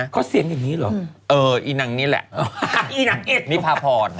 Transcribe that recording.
เขาเสียงอย่างนี้เหรอเอออีนังนี่แหละอีนางเอ็ดนิพาพร